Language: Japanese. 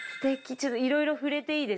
ちょっといろいろ触れていいですか？